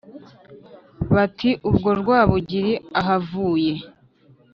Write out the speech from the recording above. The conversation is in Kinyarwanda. Bati “ubwo Rwabugili ahavuye